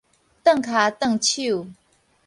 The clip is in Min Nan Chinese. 頓跤頓手